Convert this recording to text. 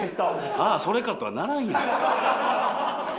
「ああそれか」とはならんやろ。